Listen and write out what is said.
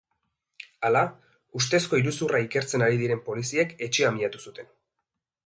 Hala, ustezko iruzurra ikertzen ari diren poliziek etxea miatu zuten.